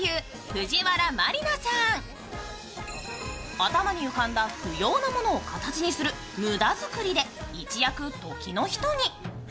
頭に浮かんだ不要なものを形にする無駄作りで一躍、時の人に。